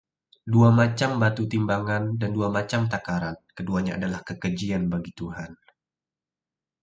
Dua macam batu timbangan dan dua macam takaran, keduanya adalah kekejian bagi Tuhan.